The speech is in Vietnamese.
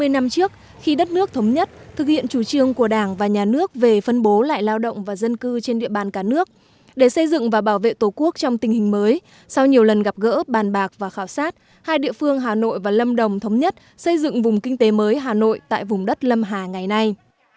sáu mươi năm trước khi đất nước thống nhất thực hiện chủ trương của đảng và nhà nước về phân bố lại lao động và dân cư trên địa bàn cả nước để xây dựng và bảo vệ tổ quốc trong tình hình mới sau nhiều lần gặp gỡ bàn bạc và khảo sát hai địa phương hà nội và lâm đồng thống nhất xây dựng vùng kinh tế mới hà nội tại vùng đất lâm hà ngày nay